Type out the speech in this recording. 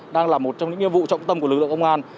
đang là một trong những nhiệm vụ trọng tâm của lực lượng công an